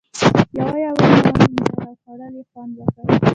یوه یوه مو ووینځله او خوړلو یې خوند وکړ.